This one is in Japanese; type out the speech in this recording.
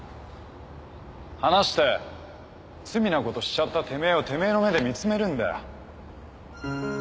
話して罪なことしちゃったてめえをてめえの目で見つめるんだよ。